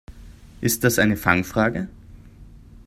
Ist das eine Fangfrage?